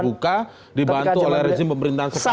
ini kasus ini dibuka dibantu oleh rezim pemerintahan sekarang